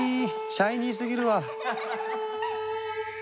シャイニーすぎるわ！